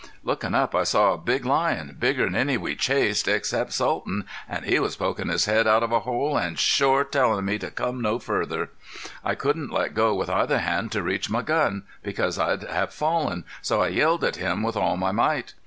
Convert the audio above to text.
Looking up I saw a big lion, bigger'n any we chased except Sultan, an' he was pokin' his head out of a hole, an' shore telling me to come no further. I couldn't let go with either hand to reach my gun, because I'd have fallen, so I yelled at him with all my might.